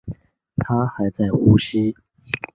她还在呼吸